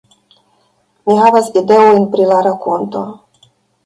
Mi havas ideojn pri la rakonto